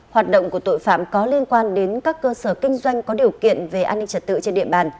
hoạt động của tội phạm có liên quan đến các cơ sở kinh doanh có điều kiện về an ninh trật tự trên địa bàn